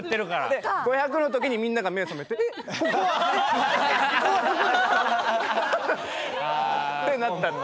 で５００の時にみんなが目覚めて「えっここは！？」。ってなったって。